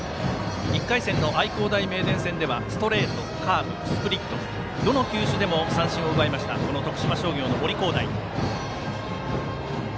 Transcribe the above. １回戦の愛工大名電戦ではストレート、カーブスプリット、どの球種でも三振を奪いました徳島商業の森煌誠。